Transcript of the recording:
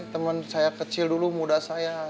temen saya kecil dulu muda saya